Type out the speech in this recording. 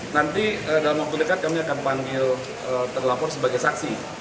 nanti dalam waktu dekat kami akan panggil